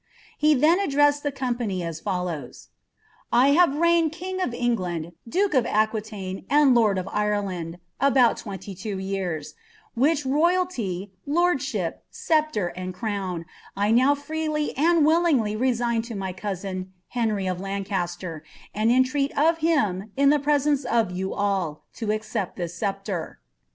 He then addressed tlie company as follows :"] have reigned kinii tf England, duke of Aquilaine, and lonl of Ireland, about tweiiiv iwn yea*; which roj alty, lordship, sceptre, and crown, 1 now fi'ecly and wSJwglj resign to my cousin, Ilenry of Lancaster, and entreat of him, ia ito presence of you all, to accept of this scepife."